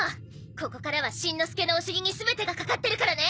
ここからはしんのすけのお尻に全てがかかってるからね！